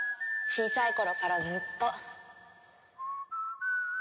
小さい頃からずっと。